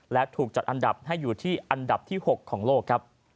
และถูกจัดอันดับให้อยู่ที่อันดับที่๖ของโลกครับ